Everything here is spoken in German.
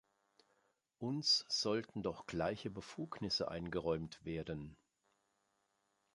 Uns sollten doch gleiche Befugnisse eingeräumt werden.